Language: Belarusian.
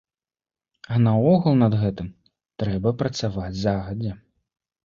А наогул над гэтым трэба працаваць загадзя.